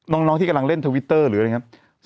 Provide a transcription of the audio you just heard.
น้องที่กำลังเล่นทวิตเตอร์หรืออะไรอย่างนี้